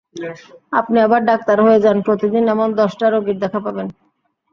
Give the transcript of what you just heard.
আপনি আবার ডাক্তার হয়ে যান, প্রতিদিন এমন দশটা রোগীর দেখা পাবেন!